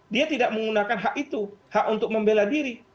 dia tidak menggunakan hak itu hak untuk membela diri